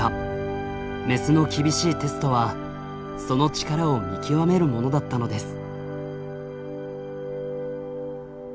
メスの厳しいテストはその力を見極めるものだったのです。